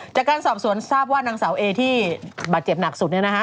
จากการสอบสวนทราบว่านางสาวเอที่บาดเจ็บหนักสุด